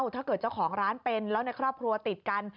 เจ้าของร้านเป็นแล้วในครอบครัวติดกัน